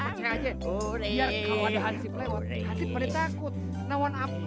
biar kawan hansip lewat hansip bener takut